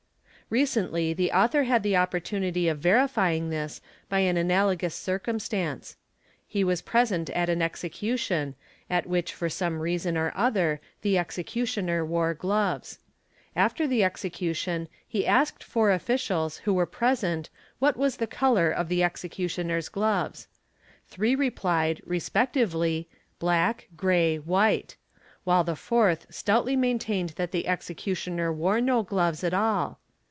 i: Recently the author had the opportunity of verifying this by al analogous circumstance. He was present at an execution at which fo some reason or other the executioner wore gloves. After the execution he asked four officials who were present what was the colour of the SPECIAL CONSIDERATIONS—STRONG FEELING 79 executioner's gloves. Three replied, respectively, black, gray, white; while the fourth stoutly maintained that the executioner wore no gloves i all.